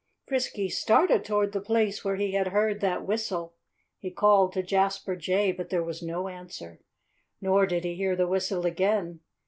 Frisky started toward the place where he had heard that whistle. He called to Jasper Jay; but there was no answer. Nor did he hear the whistle again.